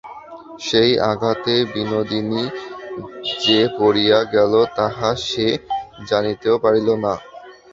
সেই আঘাতে বিনোদিনী যে পড়িয়া গেল তাহা সে জানিতেও পারিল না।